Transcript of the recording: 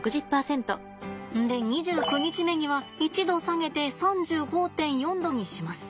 で２９日目には１℃下げて３５．４℃にします。